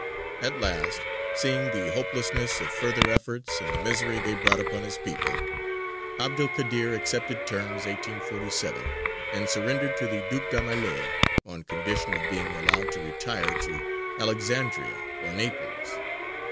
At last, seeing the hopelessness of further efforts and the misery they brought upon his people, 'Abd el Kādir accepted terms (1847), and surrendered to the Duc d'Aumale on condition of being allowed to retire to Alexandria or Naples.